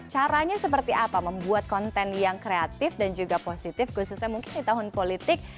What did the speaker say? caranya seperti apa membuat konten yang kreatif dan juga positif khususnya mungkin di tahun politik